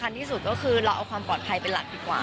ที่สุดก็คือเราเอาความปลอดภัยเป็นหลักดีกว่า